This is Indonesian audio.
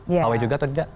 pawai juga atau enggak